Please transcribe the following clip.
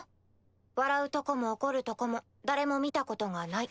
笑うとこも怒るとこも誰も見たことがない。